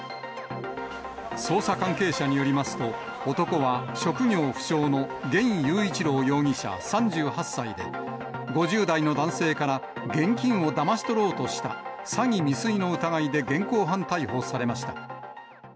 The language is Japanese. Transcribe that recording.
捜査関係者によりますと、男は職業不詳の玄勇一郎容疑者３８歳で、５０代の男性から現金をだまし取ろうとした、詐欺未遂の疑いで現行犯逮捕されました。